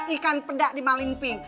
ikan pedak di malingping